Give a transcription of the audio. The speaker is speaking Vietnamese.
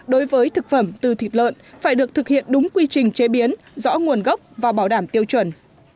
đối với thực phẩm từ thịt lợn phải được thực hiện đúng quy trình chế biến rõ nguồn gốc và bảo đảm tiêu chuẩn